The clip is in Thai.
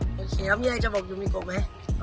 โอเคแล้วเฮียจะบอกยูมิโกะไหม